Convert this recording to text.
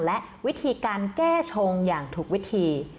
และวิธีการแก้ชงอย่างถูกวิธี